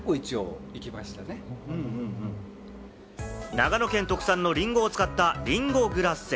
長野県特産のりんごを使った、りんごグラッセ。